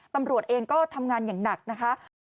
ตำรวจเองก็ทำงานอย่างหนักนะคะ